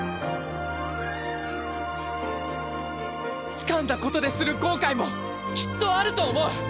つかんだことでする後悔もきっとあると思う。